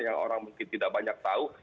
yang orang mungkin tidak banyak tahu